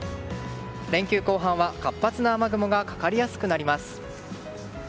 連休後半は活発な雨雲がかかりやすくなります。